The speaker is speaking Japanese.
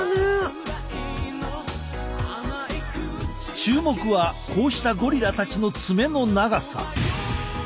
注目はこうしたゴリラたちの爪の長さ。